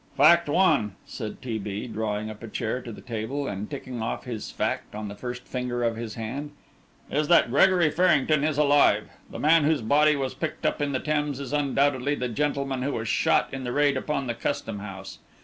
"Fact one," said T. B. drawing up a chair to the table, and ticking off his fact on the first finger of his hand, "is that Gregory Farrington is alive. The man whose body was picked up in the Thames is undoubtedly the gentleman who was shot in the raid upon the Custom House.